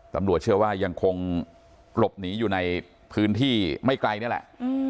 ตำรวจเชื่อว่ายังคงหลบหนีอยู่ในพื้นที่ไม่ไกลนี่แหละ